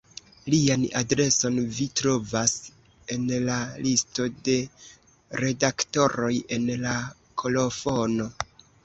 Lian adreson vi trovas en la listo de redaktoroj en la kolofono.